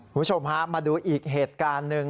คุณผู้ชมฮะมาดูอีกเหตุการณ์หนึ่ง